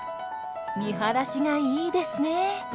見晴らしがいいですね。